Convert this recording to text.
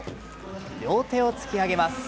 両手を突き上げます。